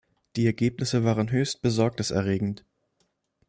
Die Ergebnisse waren höchst besorgniserregend.